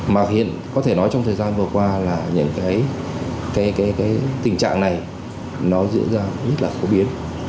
mà hiện có thể nói trong thời gian vừa qua là những cái tình trạng này nó diễn ra rất là phổ biến